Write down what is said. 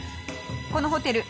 このホテル